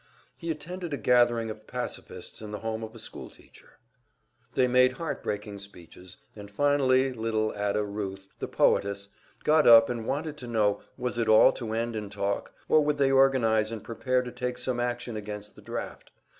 He attended a gathering of Pacifists in the home of a school teacher. They made heart breaking speeches, and finally little Ada Ruth, the poetess, got up and wanted to know, was it all to end in talk, or would they organize and prepare to take some action against the draft?